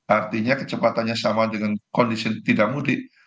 artinya kecepatannya sama dengan kondisi tidak mudik